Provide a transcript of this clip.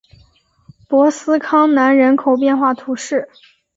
博斯康南人口变化图示